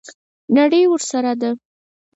نړۍ ورسره ده.